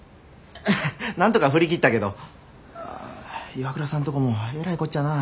なんとか振り切ったけどＩＷＡＫＵＲＡさんとこもえらいこっちゃなぁ。